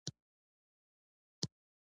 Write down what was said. هغه په خفګان وویل